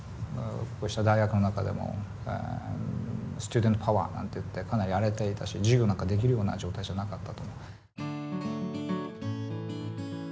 こうした大学の中でもスチューデント・パワーなんていってかなり荒れていたし授業なんかできるような状態じゃなかったと。